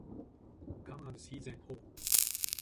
Come and see them all!